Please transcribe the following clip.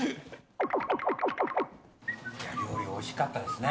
料理おいしかったですね。